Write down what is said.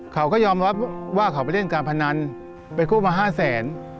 เขาก็ยอมรับว่าเขาไปเล่นการพนันไปกู้มา๕แสน